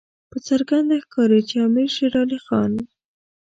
په څرګنده ښکاري چې امیر شېر علي خان.